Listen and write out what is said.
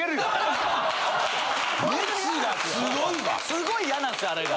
すごい嫌なんすよあれが。